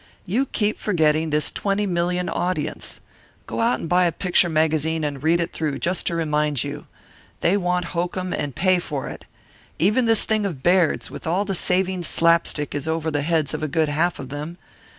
You keep forgetting this twenty million audience. Go out and buy a picture magazine and read it through, just to remind you. They want hokum, and pay for it. Even this thing of Baird's, with all the saving slapstick, is over the heads of a good half of them.